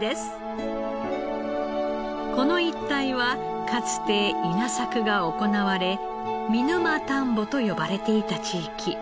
この一帯はかつて稲作が行われ見沼たんぼと呼ばれていた地域。